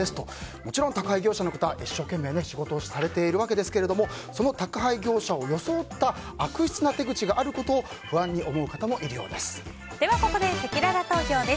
もちろん宅配業者の方、一生懸命仕事をされているわけですがその宅配業者を装った悪質な手口があることをではここで、せきらら投票です。